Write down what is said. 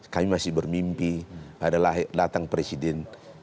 kami masih bermimpi pada latang presiden yang mimpi